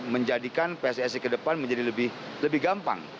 menjadikan pssi ke depan menjadi lebih gampang